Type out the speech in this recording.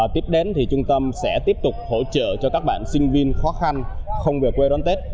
tiếp đến thì trung tâm sẽ tiếp tục hỗ trợ cho các bạn sinh viên khó khăn không về quê đón tết